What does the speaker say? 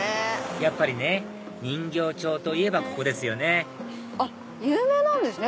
やっぱりね人形町といえばここですよね有名なんですね